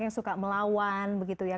yang suka melawan begitu ya